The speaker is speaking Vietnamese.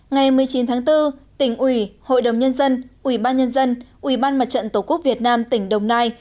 ngày một mươi chín tháng bốn tỉnh ủy hội đồng nhân dân ủy ban nhân dân ủy ban mặt trận tổ quốc việt nam tỉnh đồng nai